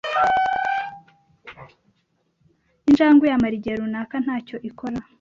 injangwe yamara igihe runaka nta cyo ikora